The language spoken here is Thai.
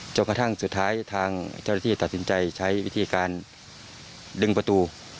จนกระทั่งสุดท้ายทางเจ้าหน้าที่ตัดสินใจใช้วิธีการดึงประตู